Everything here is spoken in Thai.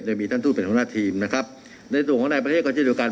โดยมีท่านทูตเป็นหัวหน้าทีมนะครับในส่วนของนายประเทศก็เช่นเดียวกัน